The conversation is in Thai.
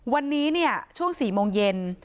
วันนี้ช่วง๔โมงเย็น